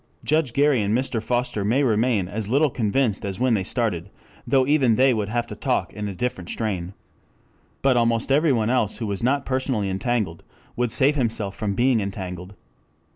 Judge Gary and Mr. Foster may remain as little convinced as when they started, though even they would have to talk in a different strain. But almost everyone else who was not personally entangled would save himself from being entangled.